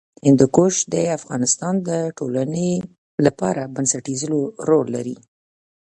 هندوکش د افغانستان د ټولنې لپاره بنسټيز رول لري.